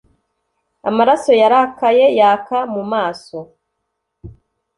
Amaraso yarakaye yaka mu maso